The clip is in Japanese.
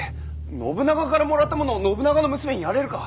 信長からもらったものを信長の娘にやれるか。